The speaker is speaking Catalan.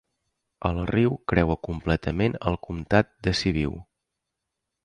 El riu creua completament el comtat de Sibiu.